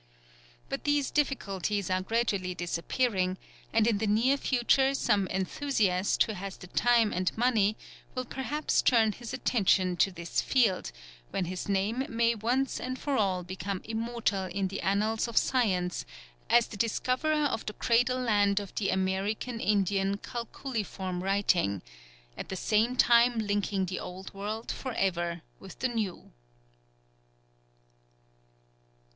But these difficulties are gradually disappearing, and in the near future some enthusiast who has the time and money will perhaps turn his attention to this field, when his name may once and for all become immortal in the annals of science as the discoverer of the cradle land of the American Indian calculiform writing, at the same time linking the Old World for ever with the New.